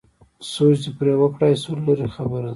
سوچ دې پرې وکړای شو لرې خبره ده.